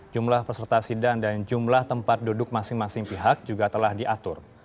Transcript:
jumlah peserta sidang dan jumlah tempat duduk masing masing pihak juga telah diatur